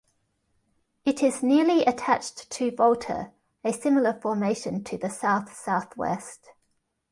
It is nearly attached to Volta, a similar formation to the south-southwest.